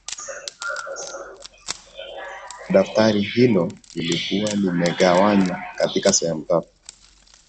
Daftari hilo lilikuwa limegawanywa katika sehemu tatu